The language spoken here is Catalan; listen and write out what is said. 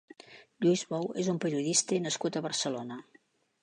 Lluís Bou és un periodista nascut a Barcelona.